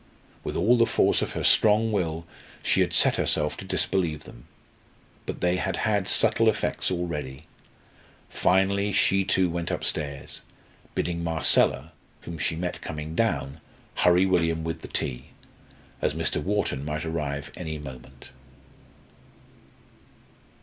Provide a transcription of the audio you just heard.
With all the force of her strong will she had set herself to disbelieve them. But they had had subtle effects already. Finally she too went upstairs, bidding Marcella, whom she met coming down, hurry William with the tea, as Mr. Wharton might arrive any moment.